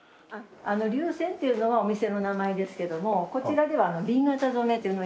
琉染っていうのはお店の名前ですけどもこちらでは紅型染めというのを。